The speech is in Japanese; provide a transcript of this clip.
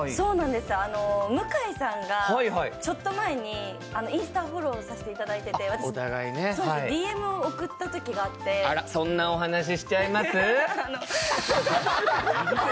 向井さんがちょっと前に、インスタをフォローさせてもらっていて私、ＤＭを送ったときがあってあら、そんなお話しちゃいます？